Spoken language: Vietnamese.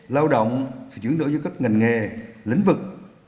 lao động chuyển đổi dưới các ngành nghề lĩnh vực